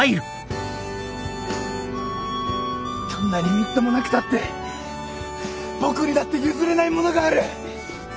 どんなにみっともなくたって僕にだって譲れないものがある。